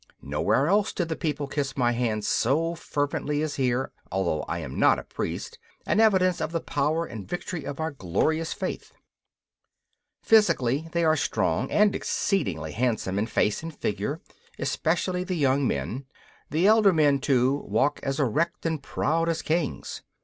Nowhere else did the people kiss my hand so fervently as here, although I am not a priest an evidence of the power and victory of our glorious faith. Physically they are strong and exceedingly handsome in face and figure, especially the young men; the elder men, too, walk as erect and proud as kings.